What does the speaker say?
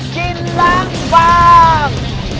สวัสดีครับ